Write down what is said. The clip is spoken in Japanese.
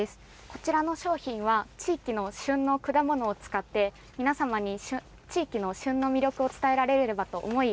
こちらの商品は地域の旬の果物を使って皆様に地域の旬の魅力を伝えられればと思い